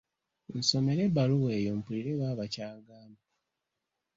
Nsomera ebbaluwa eyo mpulire baaba ky’agamba.